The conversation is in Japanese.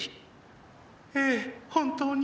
ええ本当に。